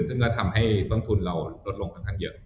ซึ่งก็ทำให้ต้นทุนเราลดลงค่อนข้างเยอะ